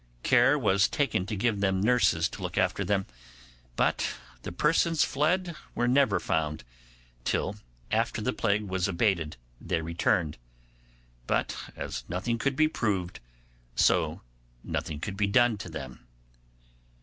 Care was taken to give them nurses to look after them, but the persons fled were never found, till after the plague was abated they returned; but as nothing could be proved, so nothing could be done to them.